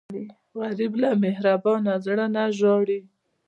غریب له مهربان زړه نه ژاړي